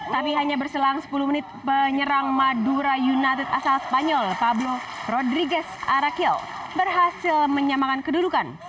tapi hanya berselang sepuluh menit penyerang madura united asal spanyol pablo rodrigus arakil berhasil menyamakan kedudukan